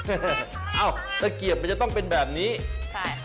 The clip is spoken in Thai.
เอาล่ะเดินทางมาถึงในช่วงไฮไลท์ของตลอดกินในวันนี้แล้วนะครับ